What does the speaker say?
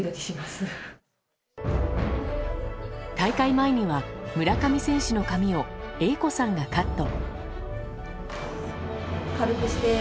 大会前には村上選手の髪を英子さんがカット。